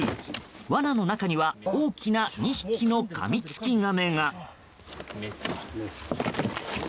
わなの中には大きな２匹のカミツキガメが。